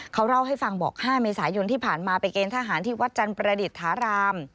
เขาเล่าให้ฟังบอก๕เมษายนที่ผ่านมาไปเกณฑหารที่วัดจันทร์ประดิษฐาราม